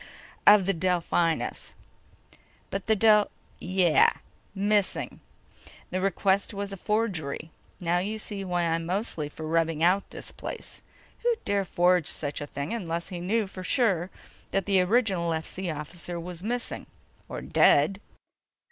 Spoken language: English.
of the Delphinus!" "But the Del—" "Yeah. Missing. The request was a forgery. Now you see why I'm mostly for rubbing out this place. Who'd dare forge such a thing unless he knew for sure that the original FC officer was missing ... or dead?"